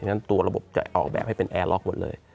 ฉะตัวระบบจะออกแบบให้เป็นแอร์ล็อกหมดเลย